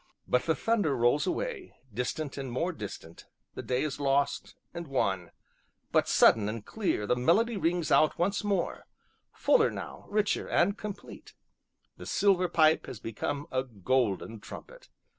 But the thunder rolls away, distant and more distant the day is lost, and won; but, sudden and clear, the melody rings out once more, fuller now, richer, and complete; the silver pipe has become a golden trumpet.